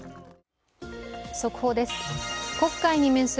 速報です。